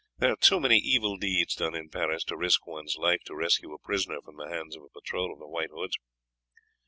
There are too many evil deeds done in Paris to risk one's life to rescue a prisoner from the hands of a patrol of the White Hoods."